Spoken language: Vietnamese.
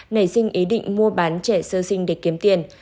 nảy sinh ý định mua bán trẻ sơ sinh để kiếm tiền